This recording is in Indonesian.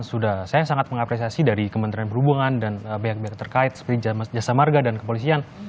sudah saya sangat mengapresiasi dari kementerian perhubungan dan pihak pihak terkait seperti jasa marga dan kepolisian